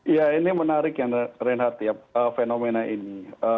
ya ini menarik renha tiap fenomena ini